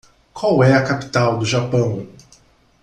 Qual é a capital do Japão?